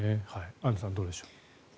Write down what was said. アンジュさんどうでしょう。